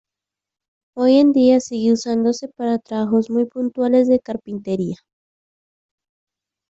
Hoy en día sigue usándose para trabajos muy puntuales de carpintería.